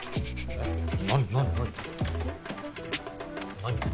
何？